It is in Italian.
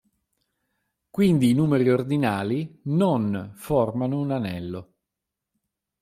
Quindi i numeri ordinali "non" formano un anello.